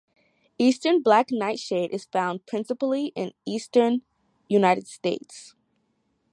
Eastern black nightshade is found principally in the Eastern United States.